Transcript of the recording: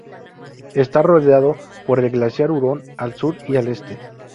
Está rodeado por el glaciar Huron al sur y al este.